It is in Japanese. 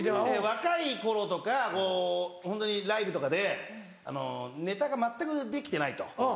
若い頃とかホントにライブとかでネタが全くできてないと。